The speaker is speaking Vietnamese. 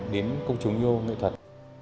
đến công chống vô nghệ thuật